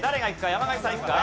山上さんいくか？